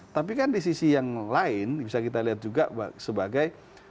tapi kan di sisi yang lain bisa kita lihat juga sebagai